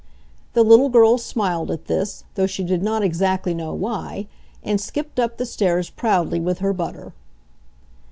The little girl smiled at this, though she did not exactly know why, and skipped up the stairs proudly with her butter.